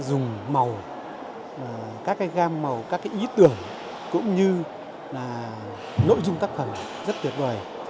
dùng màu các gam màu các ý tưởng cũng như là nội dung tác phẩm rất tuyệt vời